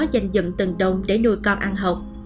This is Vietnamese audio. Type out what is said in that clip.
dành dùm từng đồng để nuôi con ăn học